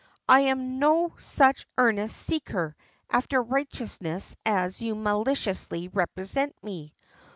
I am no such earnest seeker after righteousness as you maliciously represent me.